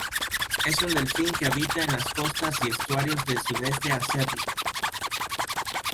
Es un delfín que habita en las costas y estuarios del Sudeste Asiático.